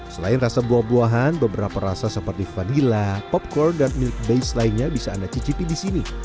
selain rasa buah buahan beberapa rasa seperti vanila popcor dan milk base lainnya bisa anda cicipi di sini